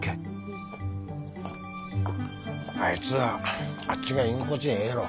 あいつはあっちが居心地がええんやろ。